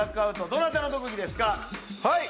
どなたの特技ですかはい！